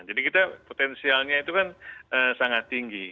jadi kita potensialnya itu kan sangat tinggi